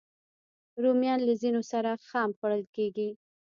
رومیان له ځینو سره خام خوړل کېږي